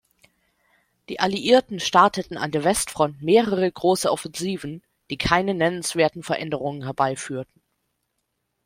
Die Alliierten starteten an der Westfront mehrere große Offensiven, die keine nennenswerten Veränderungen herbeiführten.